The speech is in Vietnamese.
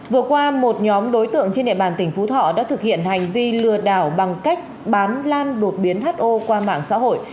vừa qua một nhóm đối tượng trên địa bàn tỉnh phú thọ đã thực hiện hành vi lừa đảo bằng cách bán lan đột biến ho qua mạng xã hội